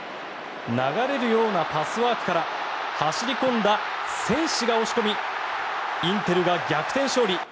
流れるようなパスワークから走り込んだセンシが押し込みインテルが逆転勝利。